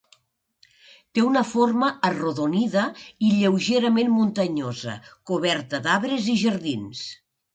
Té una forma arrodonida i lleugerament muntanyosa, coberta d'arbres i jardins.